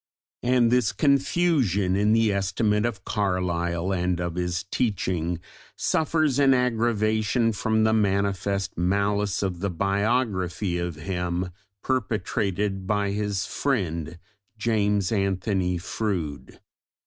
And this confusion in the estimate of Carlyle and of his teaching suffers an aggravation from the manifest malice of the biography of him perpetrated by his friend James Anthony Froude.